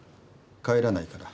帰らないから。